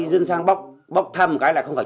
dân sang bốc bốc thăm cái là không phải